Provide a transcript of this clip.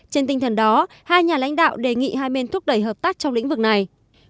trên tinh thần đó hai nhà lãnh đạo đề nghị hai bên thúc đẩy hợp tác trong lĩnh vực này